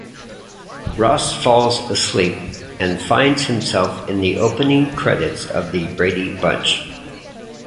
Ross falls asleep, and finds himself in the opening credits of The Brady Bunch.